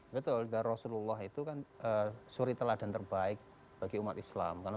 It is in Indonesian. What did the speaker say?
betul dan rasulullah itu kan suri teladan terbaik bagi umat islam